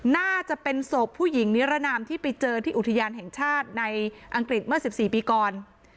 น่าจะเป็นศพผู้หญิงนิรนามที่ไปเจอที่อุทยานแห่งชาติในอังกฤษเมื่อ๑๔ปีก่อน